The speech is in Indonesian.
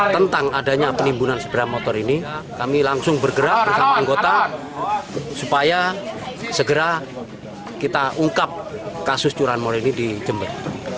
tentang adanya penimbunan seberang motor ini kami langsung bergerak bersama anggota supaya segera kita ungkap kasus curanmor ini di jember